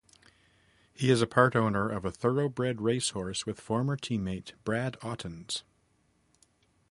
He is a part-owner of a thoroughbred racehorse with former teammate Brad Ottens.